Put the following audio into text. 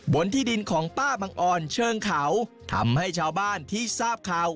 ที่ดินของป้าบังออนเชิงเขาทำให้ชาวบ้านที่ทราบข่าว